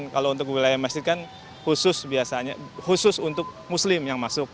kalau untuk wilayah masjid kan khusus untuk muslim yang masuk